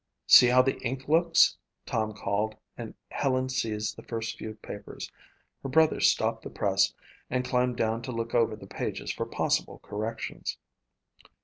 "See how the ink looks," Tom called and Helen seized the first few papers. Her brother stopped the press and climbed down to look over the pages for possible corrections.